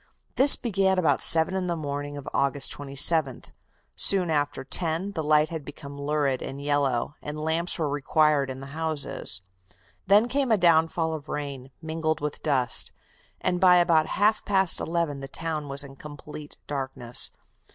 This began about seven in the morning of August 27th. Soon after ten the light had become lurid and yellow, and lamps were required in the houses; then came a downfall of rain, mingled with dust, and by about half past eleven the town was in complete darkness.